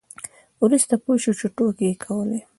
وروسته پوه شو چې ټوکې یې کولې.